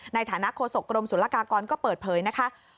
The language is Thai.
ในฐานะโฆษกรมศุลกากรก็เปิดเผยนะคะ